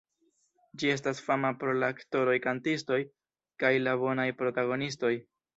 Ĝi estas fama pro la aktoroj-kantistoj kaj la bonaj protagonistoj.